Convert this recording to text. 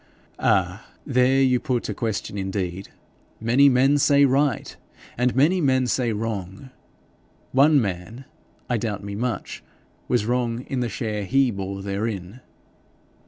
'Ah, there you put a question indeed! Many men say RIGHT, and many men say WRONG. One man, I doubt me much, was wrong in the share HE bore therein.'